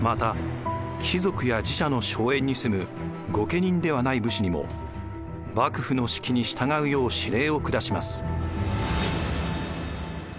また貴族や寺社の荘園に住む御家人ではない武士にも幕府の指揮に従うよう指令を下します。